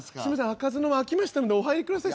開かずの間開きましたのでお入りください。